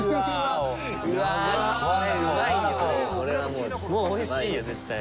もうおいしいよ絶対。